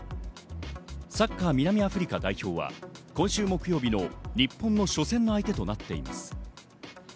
サッカー南アフリカ代表は今週木曜日の日本の初戦の相手となっています。